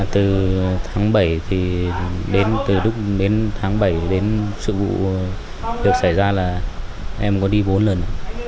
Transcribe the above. từ tháng bảy đến sự vụ được xảy ra là em có đi bốn lần